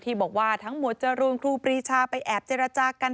บอกว่าทั้งหมดจะรวมครูปรีชาไปแอบเจรจากัน